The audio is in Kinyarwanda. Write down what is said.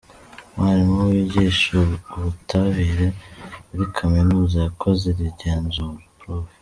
Umwarimu wigisha Ubutabire muri Kaminuza yakoze iri genzura, Prof.